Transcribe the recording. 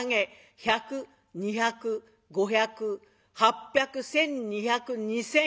１００２００５００８００１，２００２，０００。